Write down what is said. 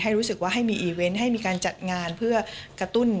รู้สึกว่าให้มีอีเวนต์ให้มีการจัดงานเพื่อกระตุ้น